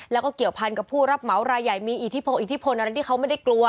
แล้วก็เกี่ยวพันกับผู้รับเหมารายใหญ่มีอิทธิพงอิทธิพลอะไรที่เขาไม่ได้กลัว